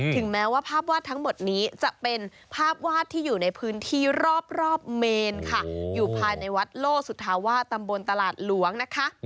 ถึงแม้ว่าภาพวาดทั้งหมดนี้จะเป็นภาพวาดที่อยู่ในพื้นที่รอบเมนค่ะอยู่ภายในวัดโลสุธาวาสตำบลตลาดหลวงนะคะ